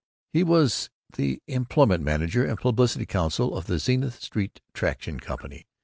He was the employment manager and publicity counsel of the Zenith Street Traction Company.